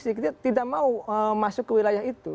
sehingga tidak mau masuk ke wilayah itu